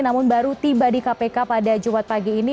namun baru tiba di kpk pada jumat pagi ini